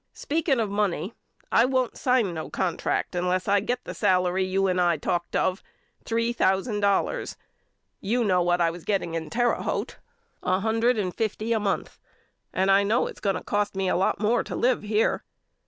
Speaking of money I won't sign no contract unless I get the salary you and I talked of, three thousand dollars. You know what I was getting in Terre Haute, a hundred and fifty a month, and I know it's going to cost me a lot more to live here.